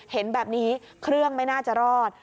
เห็นแบบนี้เครื่องไม่น่าจะรอด